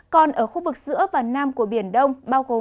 còn ở khu vực giữa và nam của biển đông